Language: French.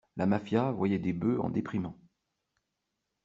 La mafia voyait des bœufs en déprimant!